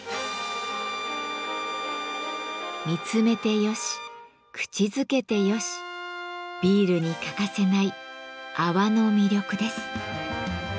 見つめてよし口づけてよしビールに欠かせない泡の魅力です。